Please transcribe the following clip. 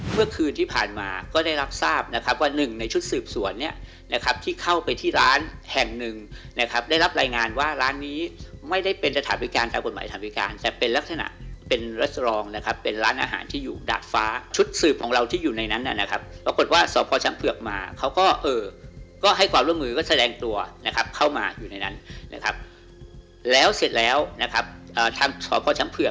เมื่อคืนที่ผ่านมาก็ได้รับทราบนะครับว่าหนึ่งในชุดสืบสวนเนี่ยนะครับที่เข้าไปที่ร้านแห่งหนึ่งนะครับได้รับรายงานว่าร้านนี้ไม่ได้เป็นตรฐานพิการตามกฎหมายตรฐานพิการแต่เป็นลักษณะเป็นรัสเตอร์ลองนะครับเป็นร้านอาหารที่อยู่ดาดฟ้าชุดสืบของเราที่อยู่ในนั้นน่ะนะครับปรากฏว่าสพชเผือกมาเขาก็เอ่อ